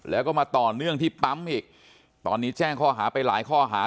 แล้วก็มาต่อเนื่องที่ปั๊มอีกตอนนี้แจ้งข้อหาไปหลายข้อหา